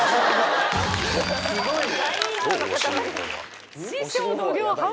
すごいね。